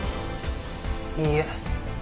いいえ。